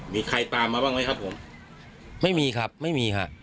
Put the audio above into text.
มีใครตามมาบ้างไหมครับผมไม่มีครับไม่มีค่ะ